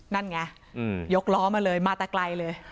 นั่นไงยกล้อมาเลยมาแต่ไกลเลย